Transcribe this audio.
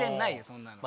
そんなの。